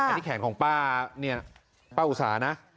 อันนี้แขนของป้าเนี่ยป้าอุตสานะ